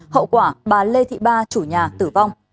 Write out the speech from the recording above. hậu quả bà lê thị ba chủ nhà tử vong